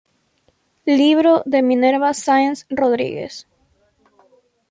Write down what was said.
Libro de Minerva Sáenz Rodríguez